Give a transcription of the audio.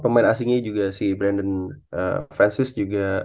pemain asingnya juga si brandon francis juga